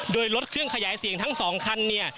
โดยรถเครื่องขยายเสียงทั้งสองคันเนี่ย